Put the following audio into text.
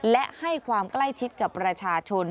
และให้ความใกล้ชิดกับประชาชน